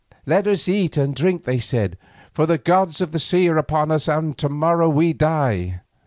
"Let us eat and drink," they said, "for the gods of the sea are upon us and to morrow we die."